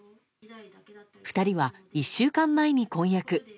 ２人は１週間前に婚約。